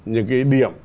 những cái điểm